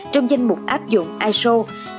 trong danh mục áp dụng iso chín nghìn một hai nghìn tám